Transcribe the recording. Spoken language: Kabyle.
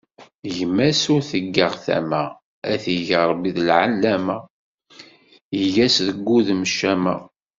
Gma s ur teggaɣ tama, ad t-yeg Ṛebbi d ɛellama, yeg-as deg wudem ccama.